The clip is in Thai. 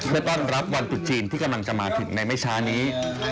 เพื่อต้อนรับวันตุดจีนที่กำลังจะมาถึงในไม่ช้านี้